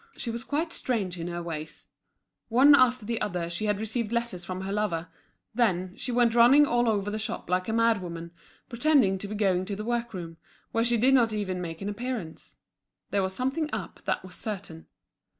She was quite strange in her ways. One after the other she had received letters from her lover; then, she went running all over the shop like a madwoman, pretending to be going to the work room, where she did not even make an appearance. There was something up, that was certain.